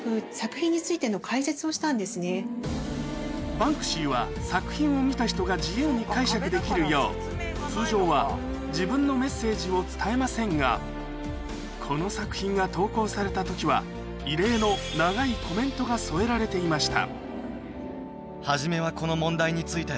バンクシーは作品を見た人が自由に解釈できるよう通常は自分のメッセージを伝えませんがこの作品が投稿された時は異例の長いコメントが添えられていました